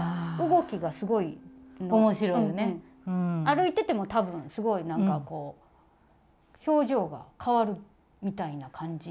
歩いてても多分すごいなんかこう表情がかわるみたいな感じ？